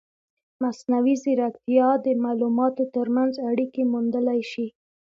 مصنوعي ځیرکتیا د معلوماتو ترمنځ اړیکې موندلی شي.